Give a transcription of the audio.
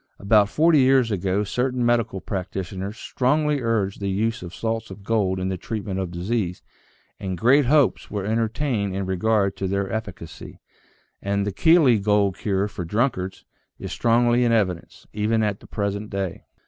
About forty years ago certain medical practitioners strongly urged the use of salts of gold in the treatment of disease, and great hopes were entertained in regard to their efficacy. And the Keeley gold cure for drunkards is strongly in evidence, even at the present day.